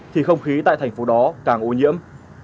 thì không khí tại thành phố đó càng ô nhiễm